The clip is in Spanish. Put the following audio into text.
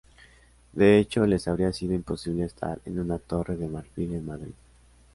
De hecho, les habría sido imposible estar en una Torre de Marfil en Madrid.